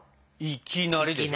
「いきなり」でしょ？